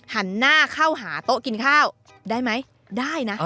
หันหน้าเข้าหาโต๊ะกินข้าวได้ไหมได้นะ